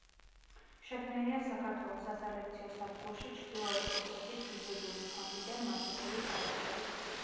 შექმნილია საქართველოს სასელექციო სადგურში ჩრდილოეთ ოსეთის ჰიბრიდული ფონდიდან მასობრივი გადარჩევის გზით.